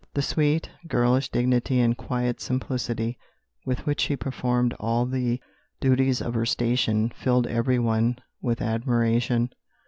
The sweet, girlish dignity and quiet simplicity with which she performed all the duties of her station filled every one with admiration.